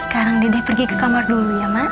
sekarang dede pergi ke kamar dulu ya mak